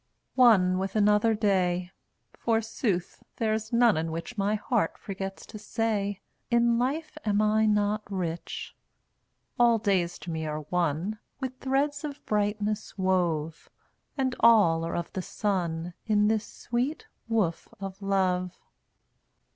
1 63 One with another day — Forsooth, there's none in which My heart forgets to say: In life am I not rich? All days to me are one With threads of brightness wove, And all are of the sun In this sweet woof of love.